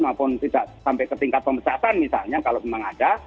maupun tidak sampai ke tingkat pemecatan misalnya kalau memang ada